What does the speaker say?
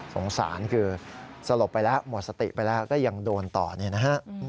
สงสารคือสลบไปแล้วหมดสติไปแล้วก็ยังโดนต่อเนี่ยนะฮะ